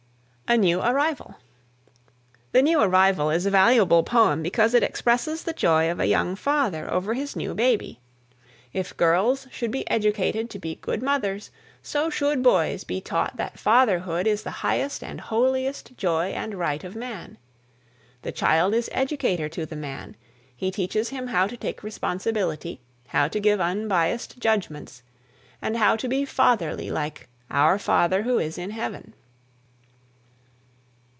A NEW ARRIVAL. "The New Arrival" is a valuable poem because it expresses the joy of a young father over his new baby. If girls should be educated to be good mothers, so should boys be taught that fatherhood is the highest and holiest joy and right of man. The child is educator to the man. He teaches him how to take responsibility, how to give unbiased judgments, and how to be fatherly like "Our Father who is in Heaven."